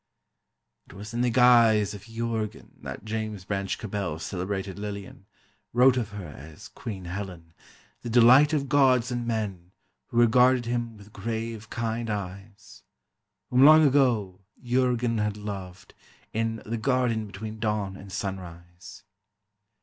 '" It was in the guise of Jurgen that James Branch Cabell celebrated Lillian, wrote of her as Queen Helen, "the delight of gods and men, who regarded him with grave, kind eyes" ... whom, long ago, Jurgen had loved, in "the garden between dawn and sunrise."